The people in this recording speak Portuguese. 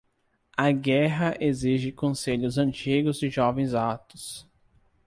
A guerra exige conselhos antigos de jovens atos.